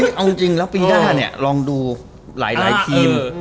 เอาจริงแล้วปีหน้าเนี่ยลองดูหลายทีม